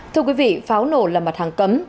thưa quý vị pháo nổ là mặt hàng cấm